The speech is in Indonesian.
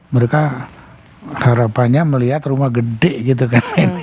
mereka harapannya melihat rumah gede gitu kan